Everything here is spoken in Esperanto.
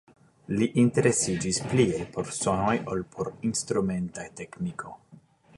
Li interesiĝis plie por sonoj ol por instrumenta tekniko.